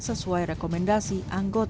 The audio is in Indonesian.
sesuai rekomendasi anggota